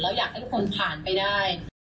แล้วอยากให้ทุกคนผ่านไปได้